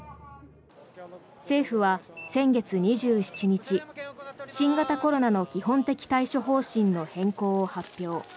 政府は先月２７日新型コロナの基本的対処方針の変更を発表。